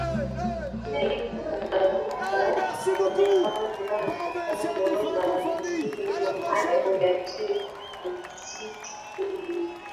hali kadhalika wamefanya mkutano na waziri wa mambo ya nje alizidi jeje